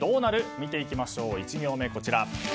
見ていきましょう１行目、こちら。